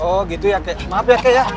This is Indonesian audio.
oh gitu ya kek maaf ya kek ya